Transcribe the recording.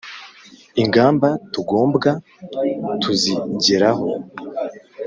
ingamba tugombwa tuzijyeraho